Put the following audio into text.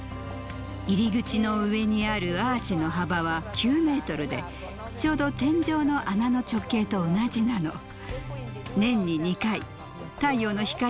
入り口の上にあるアーチの幅は９メートルでちょうど天井の穴の直径と同じなの。